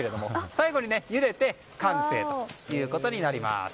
最後にゆでて完成ということになります。